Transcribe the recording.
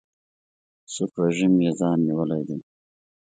سور رژیم یې ځای نیولی دی.